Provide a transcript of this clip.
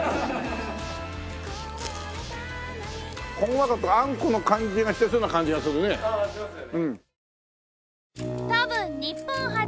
ほんわかとあんこの感じがしてそうな感じがするね。